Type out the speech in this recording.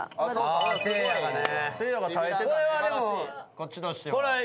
こっちとしては。